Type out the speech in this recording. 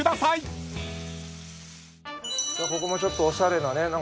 ここもちょっとおしゃれなね。